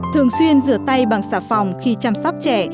thường xuyên rửa tay bằng xà phòng khi chăm sóc trẻ